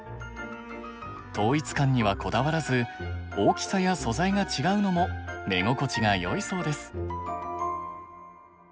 統一感にはこだわらず大きさや素材が違うのも目心地がよいそうです。